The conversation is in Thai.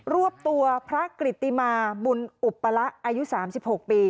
รวบตัวพระกริตติมาบุญอุปละอายุ๓๖ปี